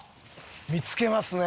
見付けますね。